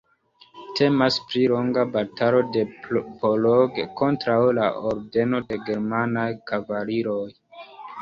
Temas pri longa batalo de poloj kontraŭ la Ordeno de germanaj kavaliroj.